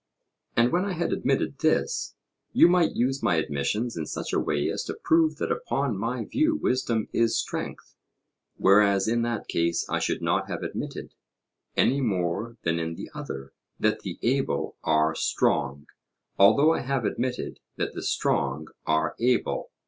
And when I had admitted this, you might use my admissions in such a way as to prove that upon my view wisdom is strength; whereas in that case I should not have admitted, any more than in the other, that the able are strong, although I have admitted that the strong are able.